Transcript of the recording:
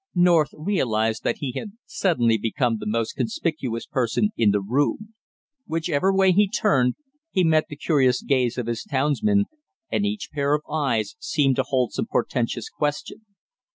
North realized that he had suddenly become the most conspicuous person in the room; whichever way he turned he met the curious gaze of his townsmen, and each pair of eyes seemed to hold some portentous question.